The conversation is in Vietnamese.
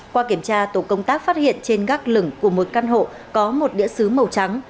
qua kiểm tra tổ công tác phát hiện trên gác lửng của một căn hộ có một đĩa xứ màu trắng